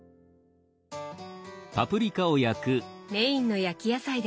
メインの焼き野菜ですね。